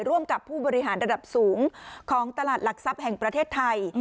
ร่วมกับผู้บริหารระดับสูงของตลาดหลักทรัพย์แห่งประเทศไทย